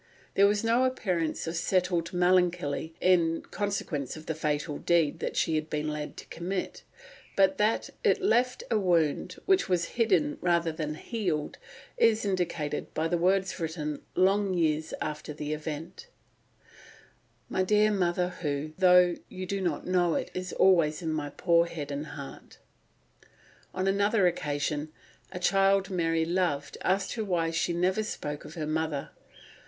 There was no appearance of settled melancholy in consequence of the fatal deed she had been led to commit, but that it left a wound which was hidden rather than healed is indicated by the words written long years after the event: "My dear mother who, though you do not know it, is always in my poor head and heart." On another occasion, a child Mary loved asked her why she never spoke of her mother.